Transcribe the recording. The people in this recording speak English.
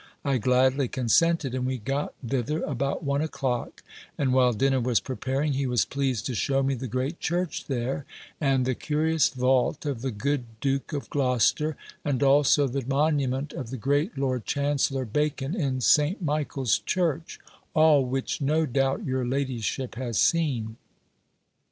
I gladly consented, and we got thither about one o'clock; and while dinner was preparing, he was pleased to shew me the great church there, and the curious vault of the good Duke of Gloucester, and also the monument of the great Lord Chancellor Bacon in St. Michael's church; all which, no doubt, your ladyship has seen.